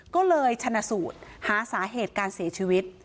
ก็เลยชนะสูตรหาสาเหตุการเสียชีวิต